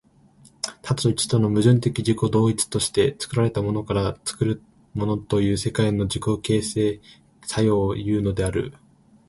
多と一との矛盾的自己同一として、作られたものから作るものへという世界の自己形成作用をいうのである。